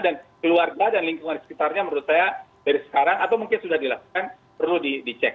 dan keluarga dan lingkungan sekitarnya menurut saya dari sekarang atau mungkin sudah dilakukan perlu dicek